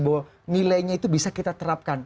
bahwa nilainya itu bisa kita terapkan